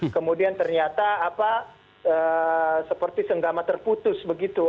kemudian ternyata seperti senggama terputus begitu